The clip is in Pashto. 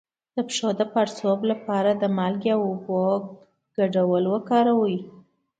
د پښو د پړسوب لپاره د مالګې او اوبو ګډول وکاروئ